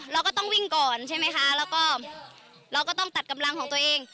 เราก็ต้องวิ่งก่อนใช่ไหมคะแล้วก็เราก็ต้องตัดกำลังของตัวเอง